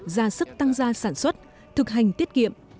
ra sức tăng gia sản xuất thực hành tiết kiệm